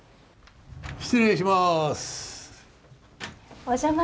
失礼します。